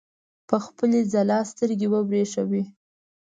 په خپلې ځلا سترګې وبرېښوي.